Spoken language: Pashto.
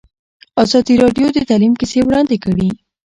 ازادي راډیو د تعلیم کیسې وړاندې کړي.